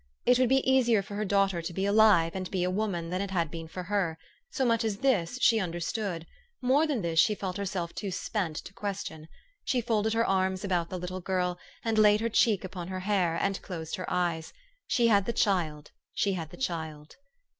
It would be easier for her daughter to be alive, and be a woman, than it had been for her : so much as this, she understood ; more than this she felt herself too spent to question. She folded her arms about the little girl, and laid her cheek upon her hair, and closed her eyes. She had the child, she had the child